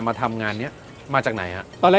มาทำงานนี้มาจากไหนฮะ